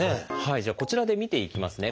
じゃあこちらで見ていきますね。